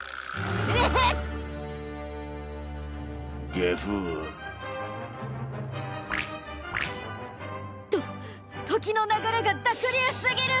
ゲフ。と時の流れが濁流すぎる！